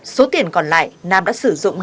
số tiền còn lại nam đã sử dụng để